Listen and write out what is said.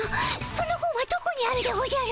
その本はどこにあるでおじゃる？